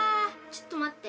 ちょっと待って。